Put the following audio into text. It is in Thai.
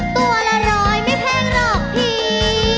ตัวละร้อยไม่แพงหรอกพี่